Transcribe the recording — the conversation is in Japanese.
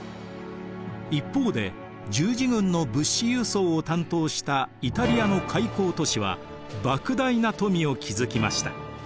一方で十字軍の物資輸送を担当したイタリアの海港都市はばく大な富を築きました。